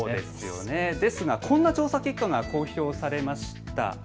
ですがこんな調査結果が公表されました。